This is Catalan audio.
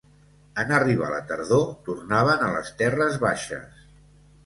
En arribar la tardor, tornaven a les terres baixes.